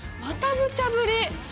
またむちゃぶり！